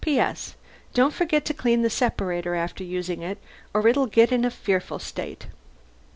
P.S. Don't forget to clean the separator after using it, or it'll get in a fearful state.